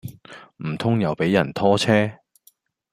唔通又俾人拖車